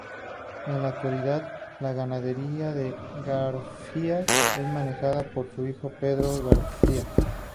En la actualidad la Ganadería de Garfias es manejada por su hijo Pedro Garfias.